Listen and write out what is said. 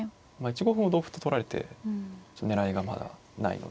１五歩も同歩と取られて狙いがまだないので。